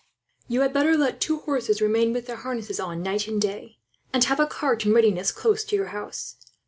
"You had better let two horses remain with their harness on, night and day; and have a cart in readiness, close to your house.